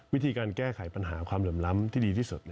วิธีการแก้ไขปัญหาความเหลื่อมล้ำที่ดีที่สุด